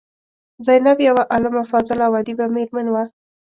زینب یوه عالمه، فاضله او ادیبه میرمن وه.